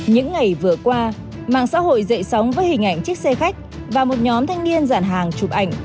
những ngày vừa qua mạng xã hội dậy sóng với hình ảnh chiếc xe khách và một nhóm thanh niên giản hàng chụp ảnh